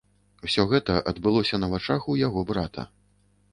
Усё гэта адбылося на вачах у яго брата.